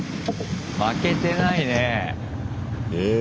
負けてないねぇ。